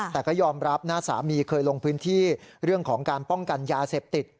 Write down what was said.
แต่ก็ยอมรับนะสามีเคยลงพื้นที่เรื่องของการป้องกันยาเสพติด